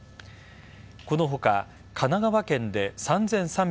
この他、神奈川県で３３６０人